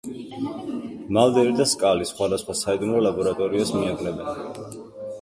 მალდერი და სკალი სხვადასხვა საიდუმლო ლაბორატორიას მიაგნებენ.